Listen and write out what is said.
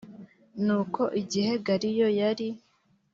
nuko igihe galiyo yari